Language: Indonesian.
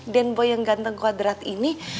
dan boy yang ganteng kwadrat ini